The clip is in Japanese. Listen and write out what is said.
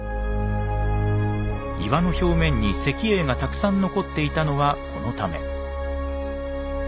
岩の表面に石英がたくさん残っていたのはこのため。